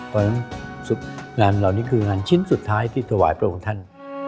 เพราะฉะนั้นงานเหล่านี้คืองานชิ้นสุดท้ายที่ถวายพระองค์ท่าน